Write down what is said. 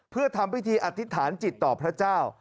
เพื่อทำพิธีอธิษฐานจิตต่อพระเจ้า